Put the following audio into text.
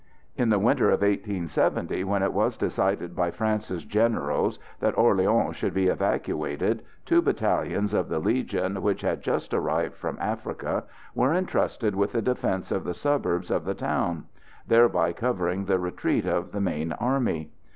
In the winter of 1870, when it was decided by France's generals that Orleans should be evacuated, two battalions of the Legion, which had just arrived from Africa, were entrusted with the defence of the suburbs of the town; thereby covering the retreat of the main army.